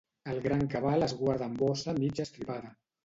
El gran cabal es guarda en bossa mig estripada.